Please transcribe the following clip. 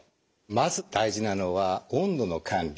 まず大事なのは温度の管理。